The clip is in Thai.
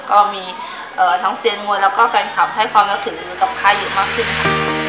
ก็มีทั้งเซียนมวยแล้วก็แฟนคลับให้ความนับถือกับค่ายอยู่มากขึ้นค่ะ